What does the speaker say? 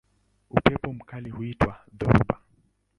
Upepo mkali huitwa dhoruba.